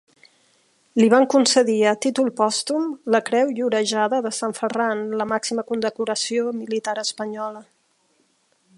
Li van con cedir a títol pòstum la Creu Llorejada de San Ferran, la màxima condecoració militar espanyola.